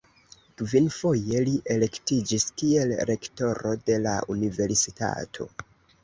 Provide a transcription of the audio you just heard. Kvinfoje li elektiĝis kiel rektoro de la universitato.